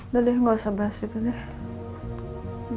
udah deh gak usah bahas itu deh